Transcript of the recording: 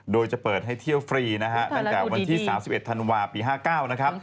โดยจะเปิดให้เที่ยวฟรีนะฮะตั้งแต่วันที่๓๑ธันวาปี๕๙นะครับ